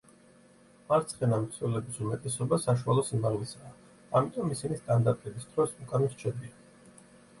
მარცხენა მცველების უმეტესობა საშუალო სიმაღლისაა ამიტომ ისინი სტანდარტების დროს უკან რჩებიან.